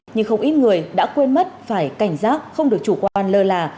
nhưng không ít người đã quên mất phải cảnh giác không được chủ quan lơ là